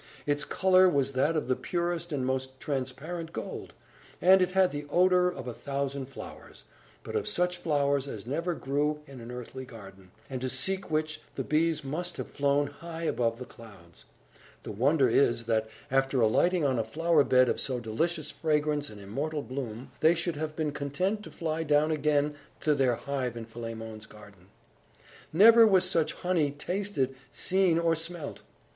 Its colour was that of the purest and most transparent gold; and it had the odour of a thousand flowers; but of such flowers as never grew in an earthly garden, and to seek which the bees must have flown high above the clouds. The wonder is, that, after alighting on a flower bed of so delicious fragrance and immortal bloom, they should have been content to fly down again to their hive in Philemon's garden. Never was such honey tasted, seen, or smelt.